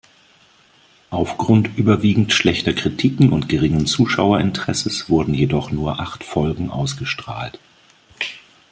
Aufgrund überwiegend schlechter Kritiken und geringen Zuschauerinteresses wurden jedoch nur acht Folgen ausgestrahlt.